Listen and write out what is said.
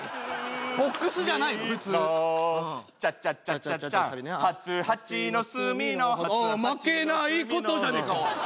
ボックスじゃないの普通チャチャチャチャチャハツハチノスミノああ「負けない事」じゃねえかおい！